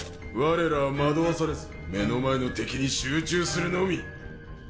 われらは惑わされず目の前の敵に集中するのみ。